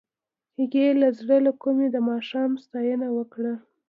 هغې د زړه له کومې د ماښام ستاینه هم وکړه.